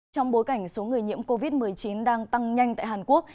trong bối cảnh số người nhiễm covid một mươi chín đang tăng nhanh tại hàn quốc